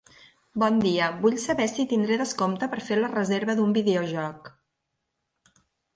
Bon dia, vull saber si tindré descompte per fer la reserva d'un videojoc.